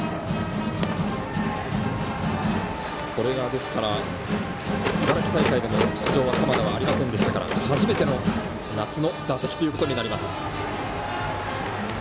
ですから、茨城大会でも出場が鎌田はありませんでしたから初めての夏の打席ということになります。